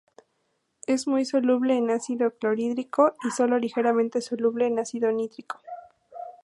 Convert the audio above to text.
Es muy soluble en ácido clorhídrico y solo ligeramente soluble en ácido nítrico.